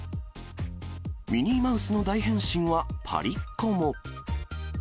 ミニーマウスの大変身はパリっ子も。